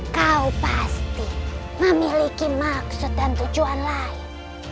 kau pasti memiliki maksud dan tujuan lain